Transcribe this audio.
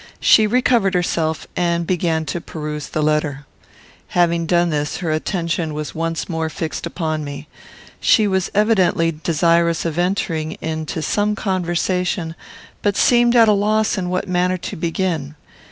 She recovered herself and began to peruse the letter. Having done this, her attention was once more fixed upon me. She was evidently desirous of entering into some conversation, but seemed at a loss in what manner to begin.